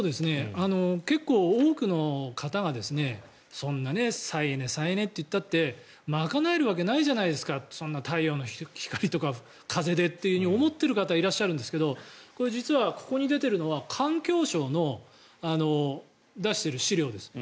結構、多くの方がそんな再エネ、再エネって言ったって賄えるわけないじゃないですかそんな太陽の光とか風でって思ってる方いらっしゃるんですがこれ実は、ここに出ているのは環境省の出している資料です。